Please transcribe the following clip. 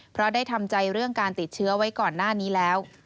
เพราะได้ทำใจเรื่องการติดเชื้อไว้ก่อนหน้านี้แล้ว